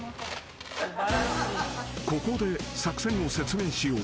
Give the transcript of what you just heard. ［ここで作戦を説明しよう］